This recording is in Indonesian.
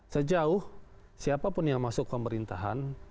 sejauh siapapun yang masuk pemerintahan